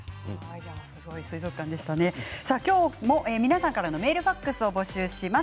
今日も皆さんからのメールファックスを募集します。